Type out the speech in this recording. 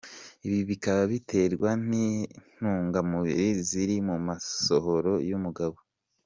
Ibi bikaba biterwa n’intungamubiri ziri mu masohoro y’umugabo.